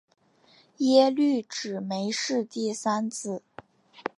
耶律只没是第三子。